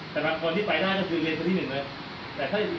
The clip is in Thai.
เป็นบางคนที่ไปได้ก็คือเรียนเซอร์ธิปนิกของที่นึงเลย